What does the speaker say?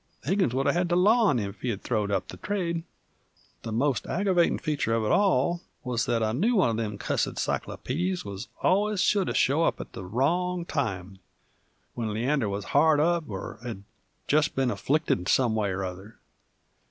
Higgins would have had the law on him if he had throwed up the trade. The most aggervatin' feature uv it all wuz that a new one uv them cussid cyclopeedies wuz allus sure to show up at the wrong time, when Leander wuz hard up or had jest been afflicted some way or other.